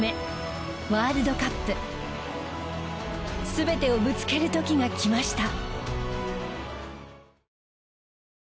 全てをぶつける時が来ました。